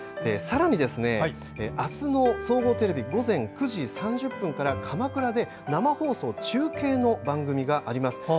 さらに、あすの総合テレビ午前９時３０分から鎌倉で生放送、中継の番組があります。